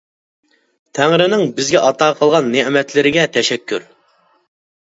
-تەڭرىنىڭ بىزگە ئاتا قىلغان نېمەتلىرىگە تەشەككۈر.